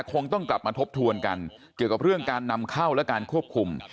คงต้องกลับมาทบทวนกันเกี่ยวกับเรื่องการนำเข้าและการควบคุม